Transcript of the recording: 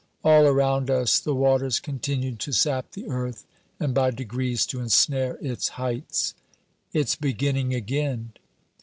All around us, the waters continue to sap the earth and by degrees to ensnare its heights. "It's beginning again."